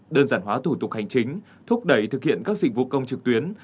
đơn giản hóa thủ tục hành chính thúc đẩy thực hiện các dịch vụ công trực tuyến